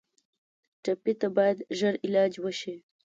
ټپي ته باید ژر علاج وشي.